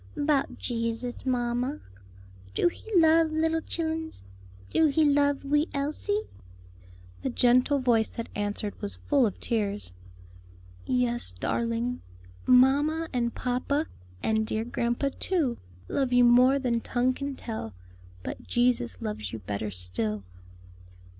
"'Bout Jesus, mamma. Do He love little chillens? do he love wee Elsie?" The gentle voice that answered was full of tears. "Yes, darling, mamma and papa, and dear grandpa too, love you more than tongue can tell, but Jesus loves you better still."